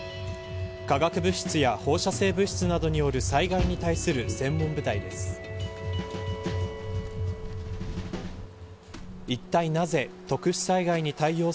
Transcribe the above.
化学物質や放射性物質などによる災害に対する専門部隊です。